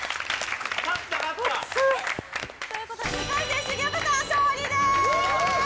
勝った勝ったということで２回戦重岡さん勝利です！